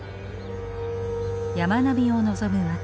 山並みを望む街